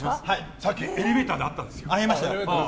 さっきエレベーターで会ったんです、偶然。